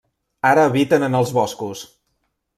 Ara habiten en els boscos.